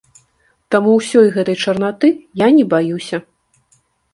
Таму ўсёй гэтай чарнаты я не баюся.